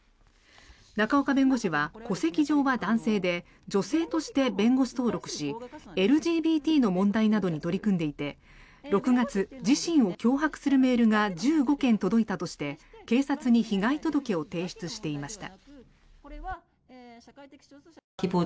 仲岡弁護士は戸籍上は男性で女性として弁護士登録しＬＧＢＴの問題などに取り組んでいて６月、自身を脅迫するメールが１５件届いたとして警察に被害届を提出していました。